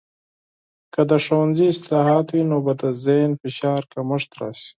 که د ښوونځي اصلاحات وي، نو به د ذهني فشار کمښت راسي.